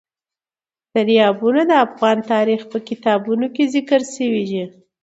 دریابونه د افغان تاریخ په کتابونو کې ذکر شوی دي.